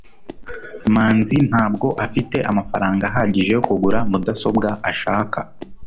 manzi ntabwo afite amafaranga ahagije yo kugura mudasobwa ashaka